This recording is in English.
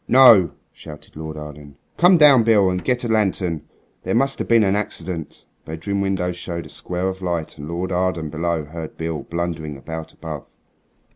"No," shouted Lord Arden. "Come down, Beale, and get a lantern. There must have been an accident." The bedroom window showed a square of light, and Lord Arden below heard Beale blundering about above.